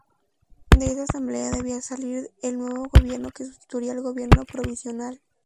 De esa Asamblea debía salir el nuevo gobierno que sustituiría el Gobierno provisional.